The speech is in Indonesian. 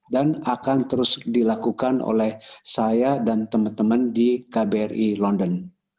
dan akan terus dilakukan oleh saya dan teman teman di kbri london